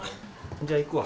じゃあ行くわ。